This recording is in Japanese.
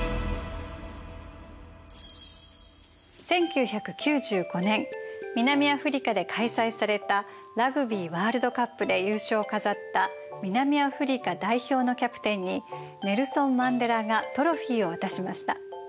１９９５年南アフリカで開催されたラグビーワールドカップで優勝を飾った南アフリカ代表のキャプテンにネルソン・マンデラがトロフィーを渡しました。